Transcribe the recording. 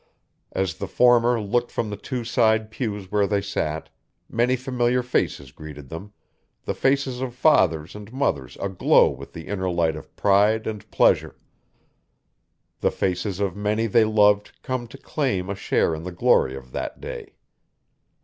As the former looked from the two side pews where they sat, many familiar faces greeted them the faces of fathers and mothers aglow with the inner light of pride and pleasure; the faces of many they loved come to claim a share in the glory of that day.